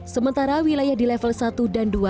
sementara wilayah di level satu dan dua